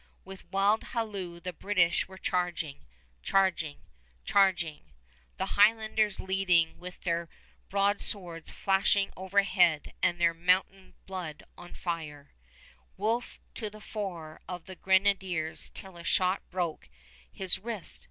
With wild halloo the British were charging, ... charging, ... charging, the Highlanders leading with their broadswords flashing overhead and their mountain blood on fire, Wolfe to the fore of the grenadiers till a shot broke his wrist!